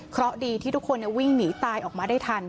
เพราะดีที่ทุกคนวิ่งหนีตายออกมาได้ทัน